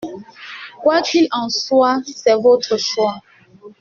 Quoi qu’il en soit, c’est votre choix.